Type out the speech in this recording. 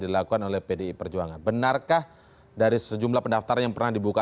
dan kewawasan di media pers abundanya dan di web